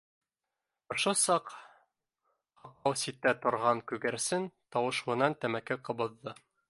Ошо саҡ һаҡау ситтә торған күгәрсен тауышлынан тәмәке ҡабыҙҙы